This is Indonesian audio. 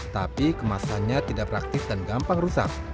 tapi kemasannya tidak praktis dan gampang rusak